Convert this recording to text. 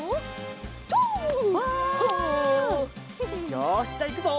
よしじゃあいくぞ！